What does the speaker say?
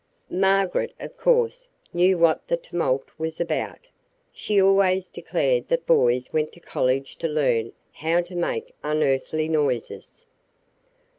Margaret, of course, knew what the tumult was about. She always declared that boys went to college to learn how to make unearthly noises.